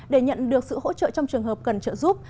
để nhận được sự hỗ trợ trong trường hợp cần trợ giúp